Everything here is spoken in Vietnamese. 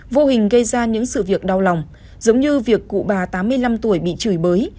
vô hình gây ra những sự việc đau lòng giống như việc cụ bà tám mươi năm tuổi bị chửi bới